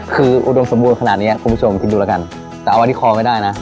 คืออุดมสมบูรณ์ขนาดเนี้ยคุณผู้ชมคิดดูแล้วกันแต่เอาไว้ที่คอไม่ได้นะ